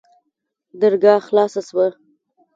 درګاه خلاصه سوه.